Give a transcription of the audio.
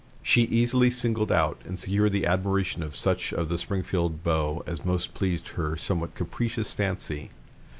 She easily singled out and secured the admiration of such of the Springfield beaux as most pleased her somewhat capricious fancy.